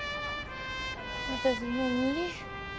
私もう無理。